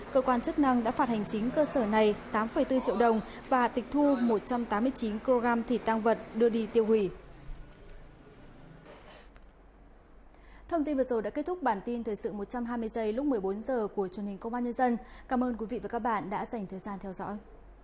cơ quan chức năng đã phạt hành chính cơ sở này tám bốn triệu đồng và tịch thu một trăm tám mươi chín kg thịt tăng vật đưa đi tiêu hủy